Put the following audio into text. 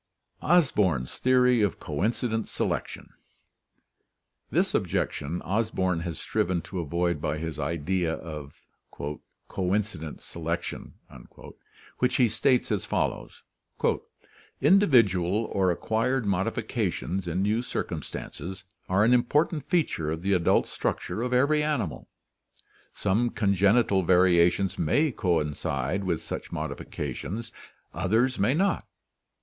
Osborn's Theory of Coincident Selection.— This objection Osborn has striven to avoid by his idea of "coincident selection," which he states as follows: "Individual or acquired modifications in new circumstances are an important feature of the adult struc ture of every animal. Some congenital variations may coincide with such modifications, others may not.